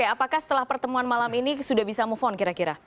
apakah setelah pertemuan malam ini sudah bisa move on kira kira